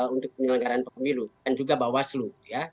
untuk penyelenggaran pemilu dan juga bawaslu